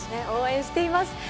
応援しています。